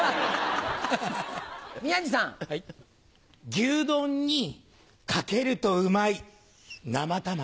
牛丼にかけるとうまい生卵。